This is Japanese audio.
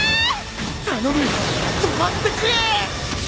頼む止まってくれ！